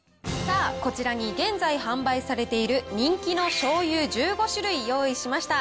さあ、こちらに現在販売されている人気の醤油１５種類、用意しました。